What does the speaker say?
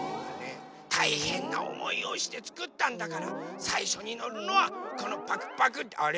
たいへんなおもいをしてつくったんだからさいしょにのるのはこのパクパクあれ？